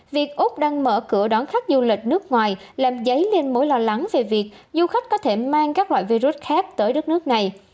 việc úc đang mở cửa đón khách du lịch nước ngoài làm dấy lên mối lo lắng về việc du khách có thể mang các loại virus khác tới đất nước này